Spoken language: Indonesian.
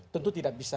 tentu tidak bisa